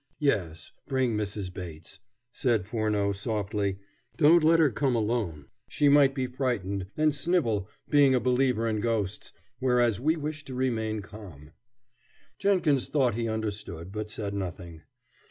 "Yes, bring Mrs. Bates," said Furneaux softly. "Don't let her come alone. She might be frightened, and snivel, being a believer in ghosts, whereas we wish her to remain calm." Jenkins thought he understood, but said nothing.